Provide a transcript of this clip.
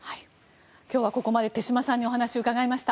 今日はここまで手嶋さんにお話を伺いました。